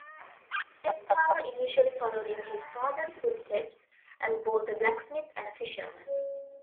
Seppala initially followed in his father's footsteps as both a blacksmith and a fisherman.